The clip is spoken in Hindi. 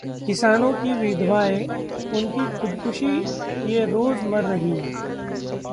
किसानों की विधवाएं: उनकी खुदकुशी, ये रोज मर रहीं